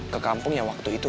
ke kampung yang waktu itu